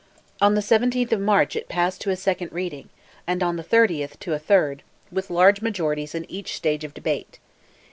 On the 17th of March it passed to a second reading, and on the 30th to a third, with large majorities in each stage of debate.